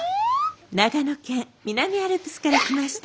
長野県・南アルプスから来ました